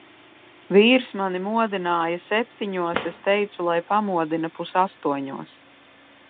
Vīrs mani modināja septiņos, es teicu, lai pamodina pus astoņos.